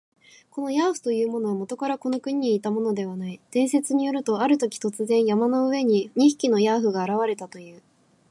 このヤーフというものは、もとからこの国にいたものではない。伝説によると、あるとき、突然、山の上に二匹のヤーフが現れたという。